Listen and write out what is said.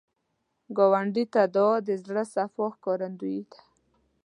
ګاونډي ته دعا، د زړه صفا ښکارندویي ده